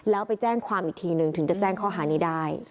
แล้วไปแจ้งความอีกทีนึงถึงจะแจ้งข้อหานี้ได้